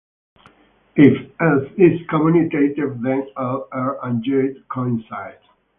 If "S" is commutative, then "L", "R" and "J" coincide.